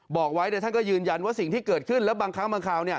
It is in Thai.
บอกไว้ท่านก็ยืนยันว่าสิ่งที่เกิดขึ้นแล้วบางครั้งบางคราว